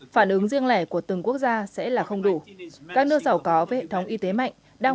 phản ứng riêng lẻ của từng quốc gia sẽ là không đủ các nước giàu có với hệ thống y tế mạnh đang